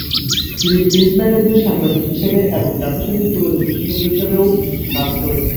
তিনি প্রিন্ট ম্যাগাজিনের সাংবাদিক হিসেবে এবং জাতিসংঘের যোগাযোগ বিশেষজ্ঞ হিসেবেও কাজ করেছেন।